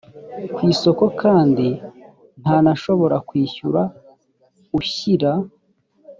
ku isoko kandi ntanashobora kwishyura ushyira